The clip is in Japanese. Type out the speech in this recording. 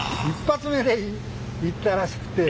１発目でいったらしくて。